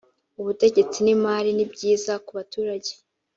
ubutegetsi n imari nibyiza kubaturage